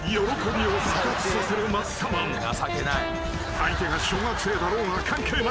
［相手が小学生だろうが関係ない］